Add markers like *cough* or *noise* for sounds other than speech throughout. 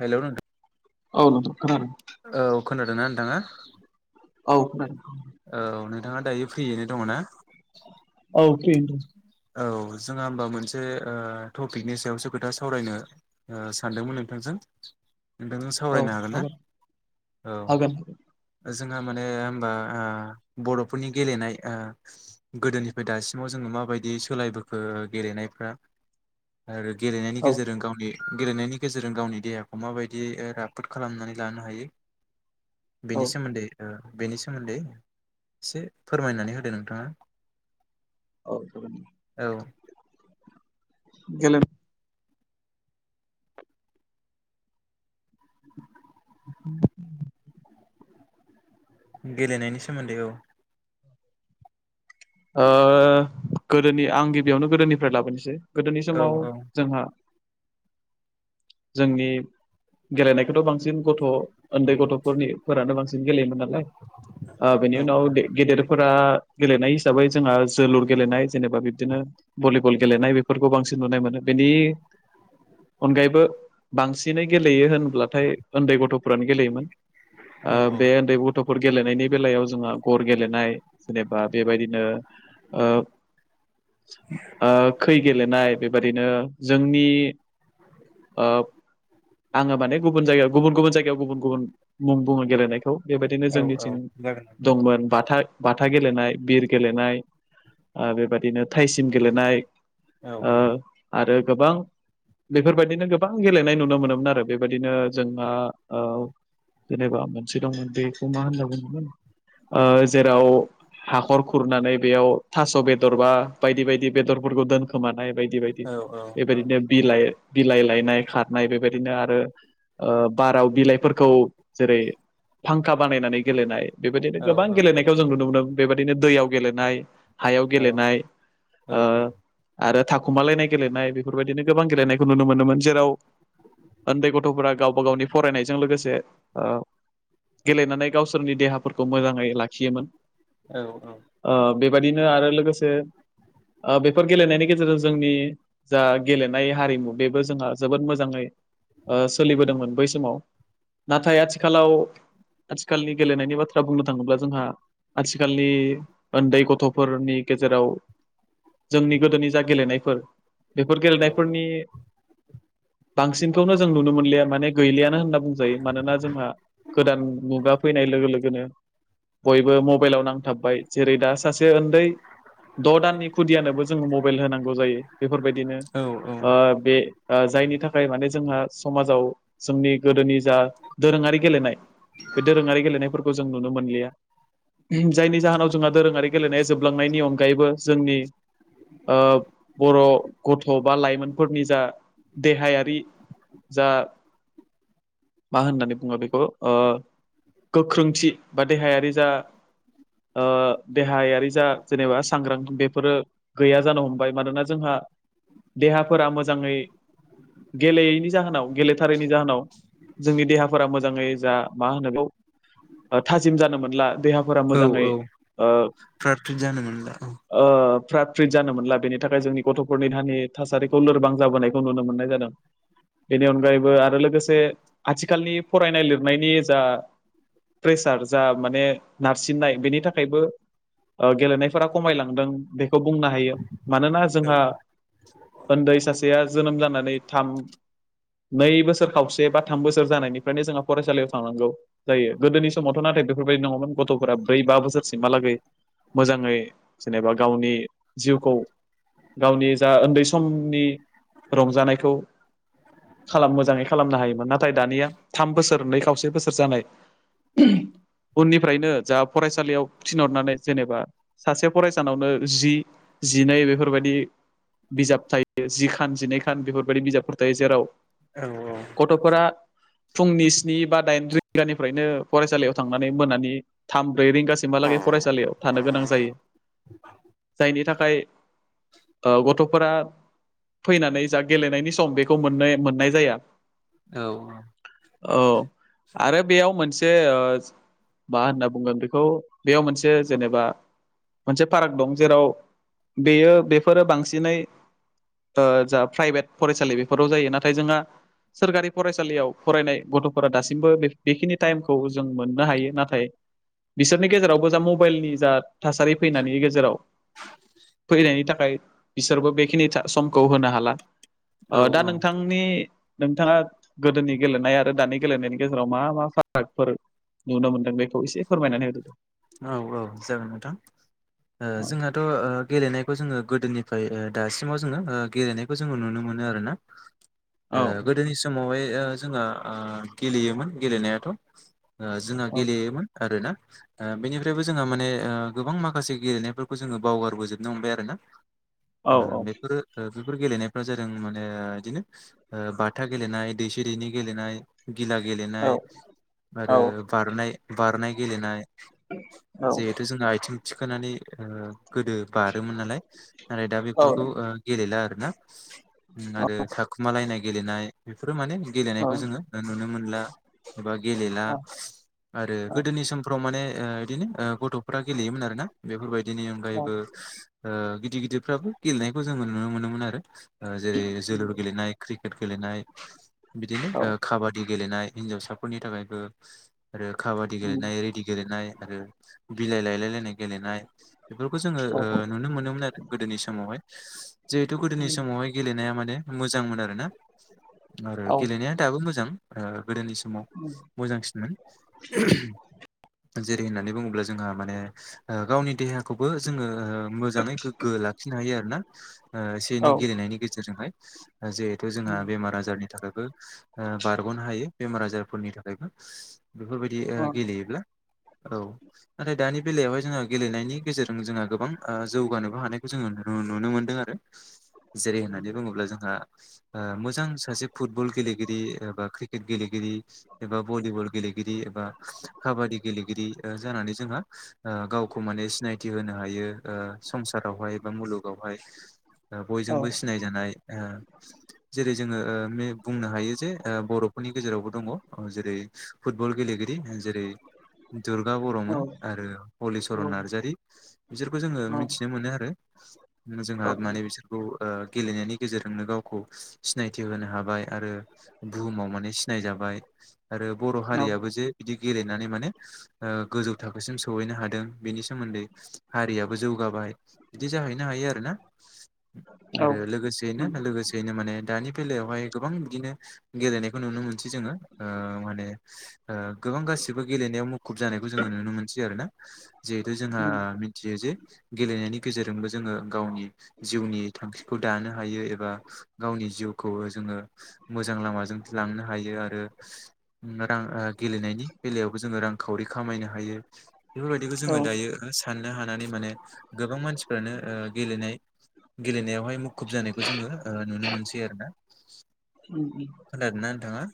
हेल' नोंथां। औ नोथां खोनादों। औ खोनादोंना नोंथाङा? औ खोनादों औ नोंथाङा दायो फ्रियैनो दङ ना? औ फ्रियैनो दङ। औ जोंहा होमबा मोनसे ओ टपिकनि सायावसो खोथा सावरायनो ओ सानदोंमोन नोंथांजों। नोंथांजों सावरायनो हागोन ना? औ हागोन। जोंहा माने होमबा आ बर'फोरनि गेलेनाय ओ गोदोनिफ्राय दासिमाव जों माबायदि सोलायबोखो गेलेनायफ्रा आरो गेलेनायनि औ गेजेरजों गावनि गेलेनायनि गेजेरजों गावनि देहाखौ माबायदि ओ राफोद खालामनानै लानो हायो औ बेनि सोमोन्दै ओ बेनि सोमोन्दै एसे फोरमायनानै होदो नोंथाङा। औ जागोन दे। औ। गेलेनाय *inaudible* गेलेनायनि सोमोन्दै औ। ओ गोदोनि आं गिबियावनो गोदोनिफ्राय लाबोनोसै। गोदोनि औ समाव जोंहा जोंनि गेलेनायखौथ' बांसिन गथ' उन्दै गथ'फोरनि फोरानो बांसिन गेलेयोमोन नालाय। औ बेनि उनाव गेदेरफोरा गेलेनाय हिसाबै जोंहा जोलुर गेलेनाय जेनेबा बिब्दिनो भलिबल गेलेनाय बेफोरखौ बांसिन नुनाय मोनो बेनि *inaudible* अनगायैबो बांसिनै गेलेयो होनब्लाथाय उन्दै गथ'फोरानो गेलेयोमोन। औ ओ बे उन्दै गथ'फोर गेलेनायनि बेलायाव जोंहा गर गेलेनाय जेनेबा बेबादि बेबादिनो जोंनि ओब आङो माने गुबुन जायगायाव गुबुन गुबुन जायगायाव गुबुन गुबुन मुं बुङो गेलेनायखौ बेबायदिनो औ औ जोंनिथिं जागोन नोंथां दंमोन बाथा बाथा गेलेनाय बिर गेलेनाय ओ बेबादिनो थाइसिम गेलेनाय औ ओ आरो गोबां बेफोरबादिनो गोबां गेलेनाय नुनो मोनोमोन आरो। बेबायदिनो जों आ औ जेनेबा मोनसे दंमोन बेखौ मा होनना बुङोमोन ओ जेराव हाखरखौ खुरनानै बेयाव थास' बेदर बा बायदि बायदि बेदरफोरखौ दोनखोमानाय बायदि दि बायदि औ औ बेबायदिनो बिलाइ बिलाइ लायनाय खारनाय बेबादिनो आरो बाराव बिलाइफोरखौ जेरै फांखा बानायनानै गेलेनाय बेबादिनो औ गोबां गेलेनायखौ जों नुनो मोनदों बेबायदिनो दैयाव गेलेनाय हायाव औ गेलेनाय ओ आरो थाखुमालायनाय गेलेनाय बेफोरबायदिनो गोबां गेलेनायखौ नुनो मोनोमोन। जेराव उन्दै गथ'फोरा गावबा गावनि फरायनायजों लोगोसे ओ गेलेनानै गावसोरनि देहाफोरखौ मोजाङै लाखियोमोन। औ औ। ओ बेबादिनो आरो लोगोसे ओ बेफोर गेलेनायनि गेजेरजों जोंनि जा गेलेनाय हारिमु बेबो जोंहा जोबोद मोजाङै ओ सोलिबोदोंमोन बै समाव। नाथाय आथिखालाव आथिखालनि गेलेनायनि बाथ्रा बुंनो थाङोब्ला जोंहा आथिखालनि उन्दै गथ'फोरनि गेजेराव जोंनि गोदोनि जा गेलेनायफोर बेफोर गेलेनायफोरनि बांसिनखौनो जों नुनो मोनलिया माने गैलियानो होनना बुंजायो। मानोना जोंहा गोदान मुगा फैनाय लोगो लोगो लोगोनो बयबो मबाइलाव नांथाब जेरै दा सासे ओन्दै द' दाननि खुदियानोबो जोङो मबाइल होनांगौ जायो बेफोरबायदिनो औ बे जायनि थाखाय माने जोंहा समाजाव जोंनि गोदोनि जा दोरोङारि गेलेनाय बे दोरोङारि गेलेनायफोरखौ जों नुनो मोनलिया जायनि जाहोनाव जोंहा दोरोङारि गेलेनाया जोबलांनायनि अनगायैबो जोंनि बर' गथ' बा लाइमोनफोरनि जा देहायारि जा मा होननानै बुङो बेखौ ओ गोख्रोंथि बा देहायारि जा ओ देहायारि जा जेनेबा सांग्रां बेफोरो गैया जानो हमबाय मानोना जोंहा देहाफोरा मोजाङै गेलेयैनि जाहोनाव गेलेथारैनि जाहोनाव जोंनि देहाफोरा मोजाङै जा मा होनांगौ थाजिम जानो मोनला देहाफोरा मोजाङै ओ प्राद फिद जानो मोनला। फ्राद फ्रिद जानो मोनला बेनि थाखाय जोंनि गथ'फोरनि दानि थासारिखौ लोरबां जाबोनायखौ नुनो मोननाय जादों। बेनि अनगायैबो आरो लोगोसे आथिखालनि फरायनाय लिरनायनि जा प्रेसार जा माने नारसिननाय बेनि थाखाय खायबो गेलेनायफोरा खमायलांदों। खौ बुंनो हायो मानोना औ जोंहा उन्दै सासेया जोनोम जानानै थाम नै बोसोर खावसे बा थाम बोसोर जानायनिफ्रायनो जोंहा फरायसालियाव थांनांगौ जायो गोदोनि समावथ' नाथाय बेफोरबायदि नङामोन गथ'फोरा ब्रै बोसोरसिम हालागै मोजाङै जेनेबा गावनि जिउखौ गावनि जा उन्दै समनि रंजानायखौ खालाम मोजाङै खालामनो हायोमोन नाथाय नाथाय दानिया थाम बोसोर नै खावसे बोसोर जानाय उननिफ्रायनो जा फरायसालियाव थिनहरनानै जेनेबा सासे फरायसानावनो जि जिनै बेफोरबायदि बिजाब थायो जि खान जिनै खान बेफोरबायदि बिजाबफोर थायो जेराव औ औ गथ'फोरा फुंनि स्नि बा दाइन रिंगानिफ्रायनो फरायसालियाव थांनानै मोनानि थाम ब्रै रिंगा औ सिमहालागै फरायसालियाव थानो गोनां जायो जायनि थाखाय गथ'फोरा फैनानै जा गेलेनायनि सम बेखौ मोननाय-मोननाय जाया। औ औ औ आरो बेयाव मोनसे मा होनना बुंगोन बेखौ बेयाव मोनसे जेनेबा मोनसे पार्क दं जेराव बेयो बेफोरो बांसिनै जा प्राइभेट फरायसालि बेफोराव जायो नाथाय जोंहा सोरखारि फरायसालियाव फरायनाय गथ'फोरा दासिमबो बेखिनि टाइमखौ जों मोननो हायो नाथाय बिसोरनि गेजेरावबो जा मबाइलनि जा थासारि फैनायनि गेजेराव फैनायनि थाखाय बिसोरबो बेखिनि समखौ होनो हाला दा नोंथांनि नोंथाङा गोदोनि गेलेनाय आरो दानि गेलेनायनि गेजेराव मा मा फारागफोर नुनो मोनदों बेखौ एसे फोरमायनानै होदो दे। औ औ जागोन नोंथां औ जोंहाथ' गेलेनायखौ जोङो गोदोनि दासिमाव जोङो गेलेनायखौ जोंङो नुनो मोनो आरो ना औ गोदोनि समावहाय जोंहा गेलेयोमोन गेलेनायाथ' ओ जोंना औ गेलेयोमोन आरो ना। बेनिफ्रायबो जोंहा माने ओ गोबां माखासे गेलेनायफोरखौ जोङो बावगारबोजोबनो हमबाय आरो ना। औ ओ बेफोरो ओ बेफोर गेलेनायफ्रा जादों माने बिदिनो बाथा गेलेनाय, दैसे दैनि गेलेनाय, गिला गेलेनाय आरो औ बारनाय- बारनाय गेलेनाय औ जिहेथु जोंना आयथिं थिखोनानै ओ गोदो बारोमोन नालाय, नाथाय दा औ बेफोरखौ गेलेला आरो ना। आरो थाखुमालायनाय गेलेनाय बेफोरो माने गेलेनायखौ जोंङो नुनो मोन ला एबा गेलेला आरो औ गोदोनि समफ्राव माने बिदिनो ओ गथ'फ्रा गेलेयोमोन आरो ना बेफोरबायदिनि अनगायैबो ओ गिदिर गदिरफ्राबो गेलेनायखौ जोंङो नुनो मोनोमोन आरो। जेरै जोलुर गेलेनाय, क्रिकेट गेलेनाय, बिदिनो औ ओ काबादि गेलेनाय हिनजावसाफोरनि थाखायबो आरो काबादि उम गेलेनाय, रेडि गेलेनाय, आरो बिलाइ लायलाय लायनाय गेलेनाय बेफोरखौ जोङो औ ओ नुनो मोनोमोन आरो गोदोनि समावहाय। जिहेतु गोदोनि समावहाय गेलेनाया माने मोज जांमोन आरो ना आरो औ गेलेनाया दाबो मोजां ओ गोदोनि स माव उम मोजांसिनमोन। जेरै होननानै बुङोब्ला जोंहा माने ओ गावनि देहा खौबो जोङो मोजाङै गोग्गो लाखिनो हायो आरो ना। ओ एसे औ एनै गेलेनायनि गेजेरजोंहाय। जिहेथु जोंहा बेमार आजारनि थाखायबो ओ बारग'नो हायो। बेमार आजारफोरनि थाखायबो बेफोरबायदि ओ औ गेलेयोब्ला। औ नाथाय दानि बेलायावहाय जोङो गेलेनायनि गेजेरजों जोंहा गोबां जौगानोबो हानायखौ जोङो नु-नुनो मोन्दों आरो। जेरै होननानै बुङोब्ला जोंहा ओ मोजां सासे फुटबल गेलेगिरि बा क्रिकेट गेलेगिरि एबा भलिबल गेलेगिरि एबा काबादि गेलेगिरि जानानै जोंहा ओ गावखौ माने सिनायथि होनो हायो ओ संसारावहाय बा मुलुगावहाय ओ बयजोंबो सिनायजानाय ओ जेरै जोङो ओ बुंनो हायो जे बर'फोरनि गेजेरावबो दङ ओ जेरै फुटबल गेले गिरि जेरै दुर्गा बर'मोन आरो हलिचरन नार्जारी बिसोरखौ जोङो मिथिनो मोनो आरो। जोंहा माने बिसोरखौ ओ गेलेनायनि गेजेरजोंनो गावखौ सिनायथि होनो हाबाय आरो बुहुमाव माने सिनायजाबाय आरो बर' हारियाबो जे बिदि गेलेनानै माने ओ गोजौ थाखोसिम सहैनो हादों बेनि सोमोन्दै हारियाबो जौगाबाय बिदि जाहैनो हायो आरो ना। आरो लोगोसेयैनो लोगोसेयैनो माने दानि बे बेलायावहाय गोबां बिदिनो गेलेनायखौ नुनो मोनसै जोङो ओ माने ओ गोबां गासिबो गेले मुुखुब जानायखौ जोङो नुनो मोनसै आरोना जिहेथु औ जोंहा मिथियो जे गेले नायनि गेजेरजों जोङो गावनि जिउनि थांखिखौ दानो हायो एबा गावनि जिउ खौ जोङो मोजां लामाजों लांनो हायो आरो रां गेलेनायनि बेलायावबो जोङो रांखावरि खामायनो हायो बेफोरबादिखौ औ जोङो दायो साननो हानानै माने गोबां मान सिफ्रानो ओ गेलेनाय बहाय मुखुब जानायखौ जोङो नुनो मोनसै आरो ना। उम खोनादों ना नोंथाङा?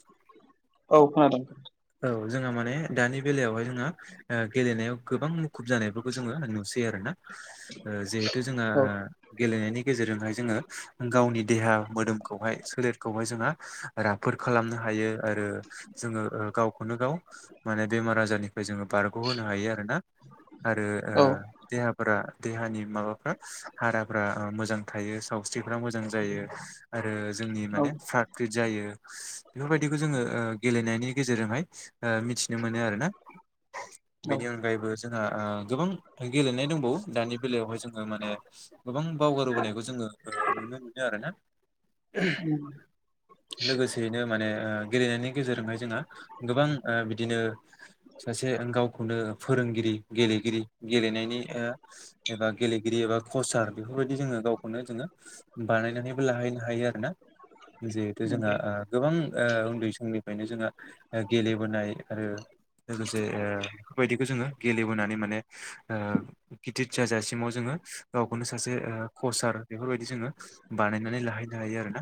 औ खोनादों। औ जोंहा माने दानि बेलायावहाय जोंहा ओ गेलेनायाव गोबां मुखुब जानायफोरखौ जोङो नुसै आरोना। जिहेथु जोंहा औ गेलेनायनि गेजेरजोंहाय जोङो गावनि देहा मोदोमखौहाय सोलेरखौहाय जोंहा राफोद खालामनो हायो, आरो जोङो ओ गावखौनो गावखौनो गाव माने बेमार आजारनिफ्राय जोङो बारग'होनो हायो आरो ना। आरो ओ औ देहाफोरा देहानि माबाफ्रा हाराफ्रा मोजां थायो सावस्रिफ्रा मोजां जायो आरो जोंनि औ माने फ्रात फ्रिट जायो बेफोर बायदिखो जोङो ओ गेलेनायनि गेजेरजोंहाय ओ मिथिनो मोनो आरोना औ बेनि अनगायैबो जोंहा ओ गोबां गेलेनाय दंबावो दानि बेलायावहाय जोङो माने गोबां बावगारबोनायखौ जोङो नुनो मोनो आरो ना उम लोगोसेयैनो माने ओ गेलेनायनि गेजेरजोंहाय जोंहा गोबां ओ बिदिनो सासे गावखौनो फोरोंगिरि गेलेगिरि गेलेनायनि ओ एबा गेलेगिरि एबा कसाद बेफोरबायदि जोङो गावखौनो जोङो बानायनानैबो लाहैनो हायो आरो ना जिहेथु जोंहा नंगौ ओ गोबां ओ उन्दै समनिफ्रायनो जोंहा गेलेबोनाय आरो लोगोसे बेफोरबायदिखो जोङो गेलेबोनानै माने गिदिर जाजासिमाव जों जोङो गावखौनो सासे कचार बेफोरबायदि जोङो बानायनानै लाहैनो हायो आरोना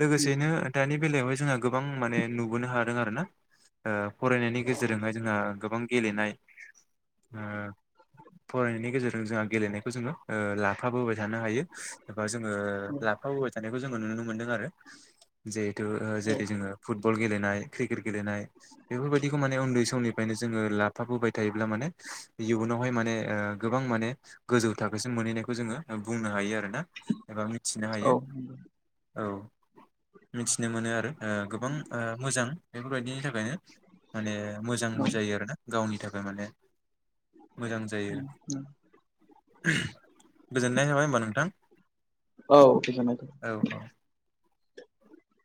लोगोसेनो नंगौ दानि बेलायावहाय जोंहा गोबां माने नुबोनो हादों आरोना फरायनायनि गेजेरजोंहाय जोंहा गोबां गेलेनाय फरायनायनि गेजेरजों जोंहा गेलेनायखौ जोङो ला लाफाबोबाय थानो हायो एबा जोङो लाफाबोबाय थानायखौ जोङो नुनो मोनदों आरो जे औ जेरै जोङो फुटबल गेलेनाय क्रिकेट गेलेनाय बेफोरबायदिखौ माने उन्दै समनिफ्रायनो जोङो लाफाबोबाय थायोब्ला माने इयुनावहाय माने गोबां माने गोजौ थाखोसिम मोनहैनायखौ जोङो बुंनो हायो आरो ना एबा मिथिनो हायो औ औ मिथिनो मोनो आरो गोबां मोजां बेफोर बायदिनि थाख खायनो माने मोजांबो जायो आरो ना गावनि थाखाय माने मोजां जायो गोजोनाय थाबाय होमबा नोंथां औ गोजोनाय औ थाबाय औ